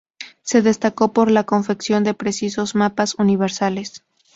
Se destacó por la confección de precisos mapas universales.